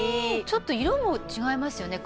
ちょっと色も違いますよね